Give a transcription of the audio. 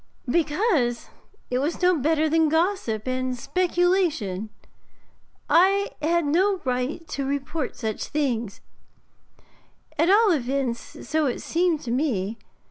'Because it was no better than gossip and speculation. I had no right to report such things at all events, so it seemed to me.